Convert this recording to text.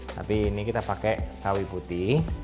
tapi ini kita pakai sawi putih